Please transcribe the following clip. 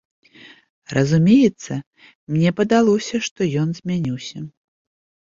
Разумееце, мне падалося, што ён змяніўся.